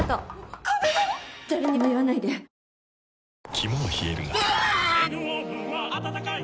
肝は冷えるがうわ！